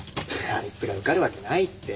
あいつが受かるわけないって。